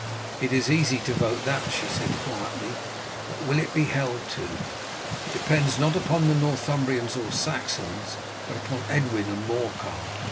"It is easy to vote that," she said quietly; "but will it be held to? It depends not upon Northumbrians nor Saxons, but upon Edwin and Morcar.